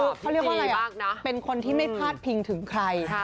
เขาเรียกว่าอะไรบ้างนะเป็นคนที่ไม่พาดพิงถึงใคร